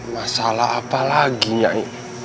masalah apa lagi nyai